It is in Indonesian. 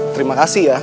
terima kasih ya